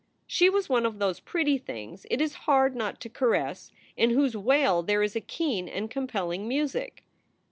She was one of those pretty things it is hard not to caress, in whose wail there is a keen and compelling music.